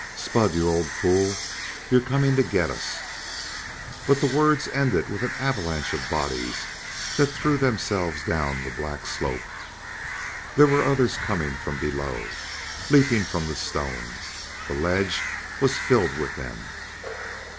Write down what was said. "Spud! You old fool, you're coming to get us!" But the words ended with an avalanche of bodies that threw themselves down the black slope. There were others coming from below, leaping from the stones. The ledge was filled with them.